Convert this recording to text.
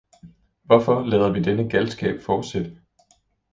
Hvorfor lader vi denne galskab fortsætte?